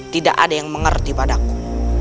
tidak ada yang mengerti padaku